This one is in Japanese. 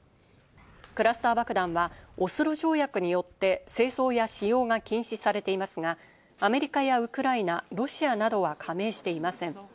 クラスター爆弾はオスロ条約によって製造や使用が禁止されていますが、アメリカやウクライナ、ロシアなどは加盟していません。